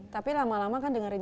tapi lama lama kan dengerin